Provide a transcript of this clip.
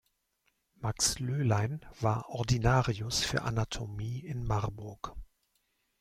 Max Löhlein war Ordinarius für Anatomie in Marburg.